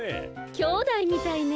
きょうだいみたいね。